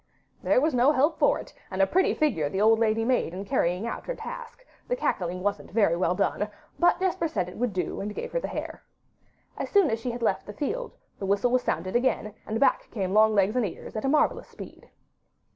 There was no help for it, and a pretty figure the old lady made in carrying out her task; the cackling wasn't very well done, but Jesper said it would do, and gave her the hare. As soon as she had left the field, the whistle was sounded again, and back came long legs and ears at a marvellous speed.